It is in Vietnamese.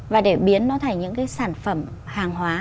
và để biến nó thành những cái sản phẩm hàng hóa